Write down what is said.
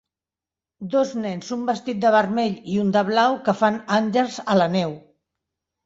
Dos nens un vestit de vermell i un de blau que fan àngels a la neu